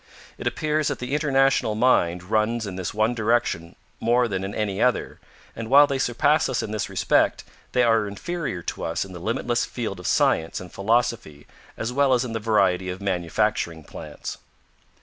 It appears that the international mind runs in this one direction more than in any other, and while they surpass us in this respect, they are inferior to us in the limitless field of science and philosophy as well as in the variety of manufacturing plants.